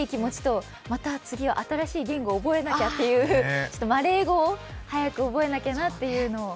次は新しい言語を覚えなきゃという、マレー語を早く覚えなきゃなというのを。